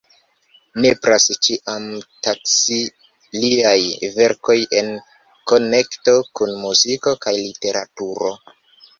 Nepras ĉiam taksi liajn verkojn en konekto kun muziko kaj literaturo.